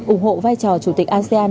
ủng hộ vai trò chủ tịch asean